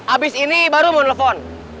abis ini baru mau nelfon